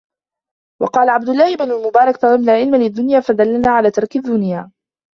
وَقَالَ عَبْدُ اللَّهِ بْنُ الْمُبَارَكِ طَلَبْنَا الْعِلْمَ لِلدُّنْيَا فَدَلَّنَا عَلَى تَرْكِ الدُّنْيَا